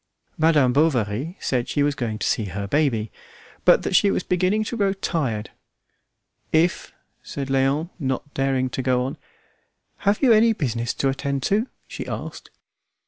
Madame Bovary said she was going to see her baby, but that she was beginning to grow tired. "If " said Léon, not daring to go on. "Have you any business to attend to?" she asked.